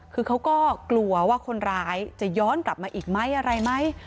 คือเขาก็กลัวว่าคนร้ายจะย้อนกลับมาอีกไหมอะไรไหม